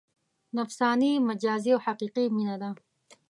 نفساني، مجازي او حقیقي مینه ده.